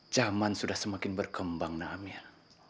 zaman sudah semakin berkembang namir